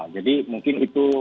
jadi mungkin itu